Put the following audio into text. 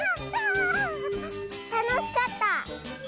たのしかった！